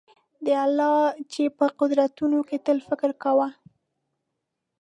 د الله چي په قدرتونو کي تل فکر کوه